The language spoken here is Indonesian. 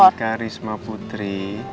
andi dika risma putri